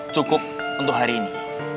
cukup untuk hari ini